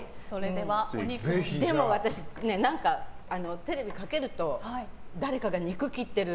でも、私テレビかけると誰かが肉切ってる。